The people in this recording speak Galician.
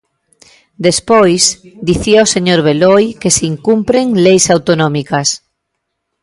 Despois, dicía o señor Beloi que se incumpren leis autonómicas.